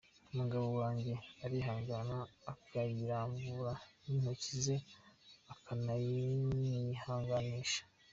Umugabo wanjye arihangana akayirambura n’intoki ze akananyihanganisha.